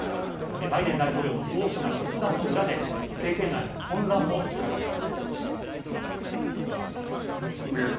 バイデン大統領の大きな決断の裏で政権内の混乱もうかがえます。